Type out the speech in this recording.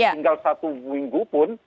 tinggal satu minggu pun